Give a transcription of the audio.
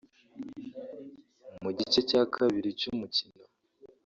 Mu gice cya kabiri cy’umukino